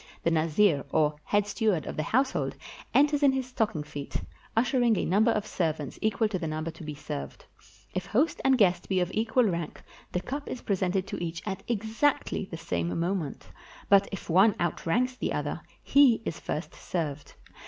The nazir, or head steward of the household, enters in his stocking feet, ushering a number of servants equal to the number to be served. If host and guest be of equal rank, the cup is presented to each at exactly the same moment ; but if one outranks the other, he is first served.